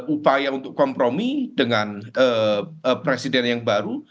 upaya untuk kompromi dengan presiden yang baru